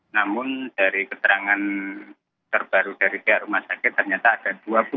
namun dari keterangan terbaru dari pihak rumah sakit ternyata ada dua puluh